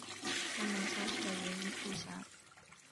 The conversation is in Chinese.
它们消失的原因不详。